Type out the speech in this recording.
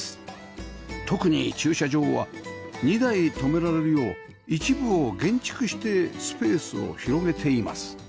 特に駐車場は２台止められるよう一部を減築してスペースを広げています